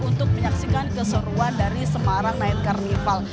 untuk menyaksikan keseruan dari semarang sembilan carnival